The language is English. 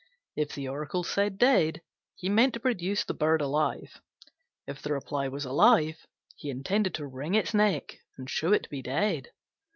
If the Oracle said "dead," he meant to produce the bird alive: if the reply was "alive," he intended to wring its neck and show it to be dead.